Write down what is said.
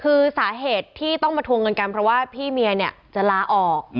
คือสาเหตุที่ต้องมาทวงเงินกันเพราะว่าพี่เมียเนี่ยจะลาออก